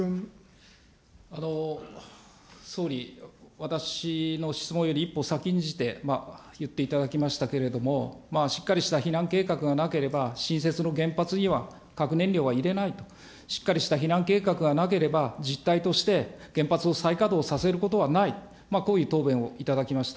総理、私の質問より一歩先んじて言っていただきましたけれども、しっかりした避難計画がなければ、新設の原発には核燃料は入れないと、しっかりした避難計画がなければ、実態として、原発を再稼働させることはない、こういう答弁をいただきました。